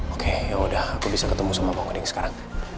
oke yaudah aku bisa ketemu sama bang odin sekarang